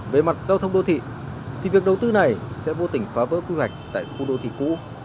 về mặt giao thông đô thị thì việc đầu tư này sẽ vô tình phá vỡ quy hoạch tại khu đô thị cũ